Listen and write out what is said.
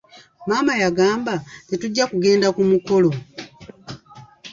Maama yagamba tetujja kugenda ku mukolo.